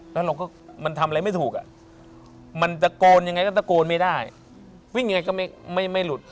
แล้วเราก็มันทำอะไรไม่ถูกอ่ะมันตะโกนยังไงก็ตะโกนไม่ได้วิ่งยังไงก็ไม่หลุด